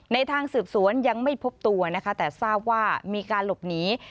ในทางสืบสวนยังไม่พบตัวนะคะแต่ทราบว่ามีการหลบหนี